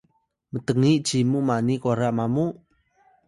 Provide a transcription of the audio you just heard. mtngi cimu mani kwara mamu?